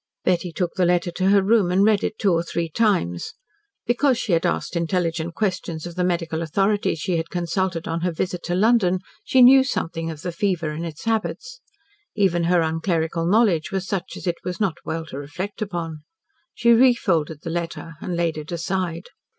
Betty took the letter to her room, and read it two or three times. Because she had asked intelligent questions of the medical authority she had consulted on her visit to London, she knew something of the fever and its habits. Even her unclerical knowledge was such as it was not well to reflect upon. She refolded the letter and laid it aside.